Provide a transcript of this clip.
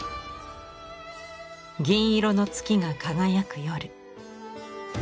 銀色の月が輝く夜。